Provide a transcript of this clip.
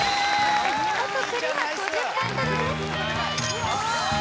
見事クリア５０ポイントです